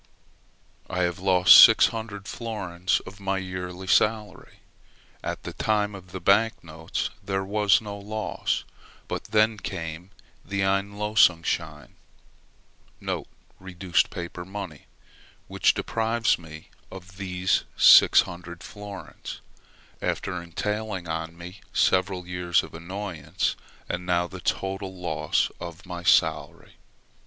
I have lost 600 florins of my yearly salary; at the time of the bank notes there was no loss, but then came the Einlösungsscheine [reduced paper money], which deprives me of these 600 florins, after entailing on me several years of annoyance, and now the total loss of my salary.